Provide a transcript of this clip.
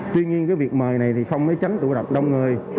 tuy nhiên việc mời này không mới tránh tụ độc đông người